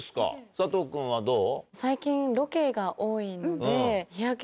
佐藤君はどう？